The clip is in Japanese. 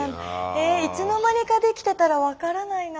えいつの間にかできてたら分からないな。